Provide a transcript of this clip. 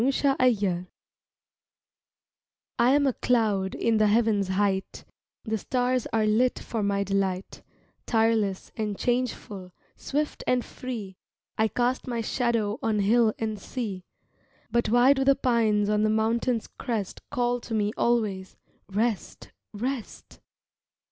THE CLOUD I AM a cloud in the heaven's height, The stars are lit for my delight, Tireless and changeful, swift and free, I cast my shadow on hill and sea But why do the pines on the mountain's crest Call to me always, "Rest, rest"?